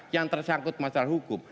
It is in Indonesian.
yang tersangkut masalah hukum